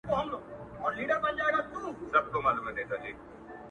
o چي مرگ سته، ښادي نسته٫